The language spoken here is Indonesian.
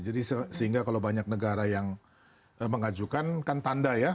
jadi sehingga kalau banyak negara yang mengajukan kan tanda ya